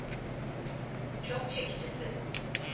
Çok çekicisin.